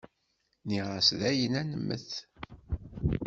Nniɣ-as dayen ad nemmet.